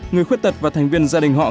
người khuyết tật và thành viên gia đình họ